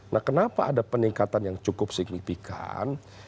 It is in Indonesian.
nah kenapa ada peningkatan yang cukup signifikan